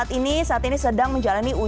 alat ini saat ini sedang mencari keringat